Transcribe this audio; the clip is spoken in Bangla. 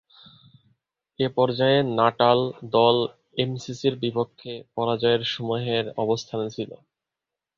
এ পর্যায়ে নাটাল দল এমসিসির বিপক্ষে পরাজয়ের সমূহ অবস্থানে ছিল।